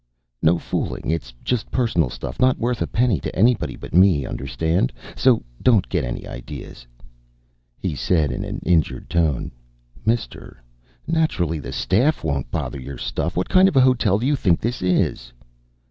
"No fooling, it's just personal stuff. Not worth a penny to anybody but me, understand? So don't get any ideas " He said in an injured tone: "Mister, naturally the staff won't bother your stuff. What kind of a hotel do you think this is?"